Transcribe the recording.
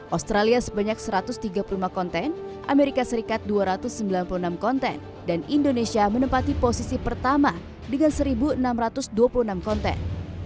australia sebanyak satu ratus tiga puluh lima konten amerika serikat dua ratus sembilan puluh enam konten dan indonesia menempati posisi pertama dengan satu enam ratus dua puluh enam konten